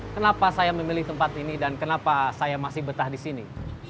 kenapa saya memilih tempat ini dan kenapa saya masih betah di sini